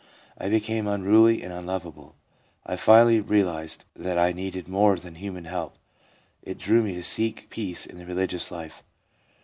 I became unruly and unlovable. I finally realised that I needed more than human help ; it drew me to seek peace in the religious life.